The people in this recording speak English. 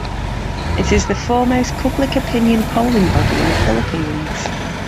It is the foremost public-opinion polling body in the Philippines.